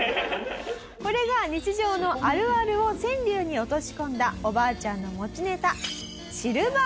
これが日常のあるあるを川柳に落とし込んだおばあちゃんの持ちネタ。